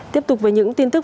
tiếp tục với những tin tức